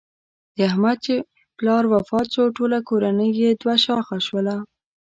د احمد چې پلار وفات شو ټوله کورنۍ یې دوه شاخه شوله.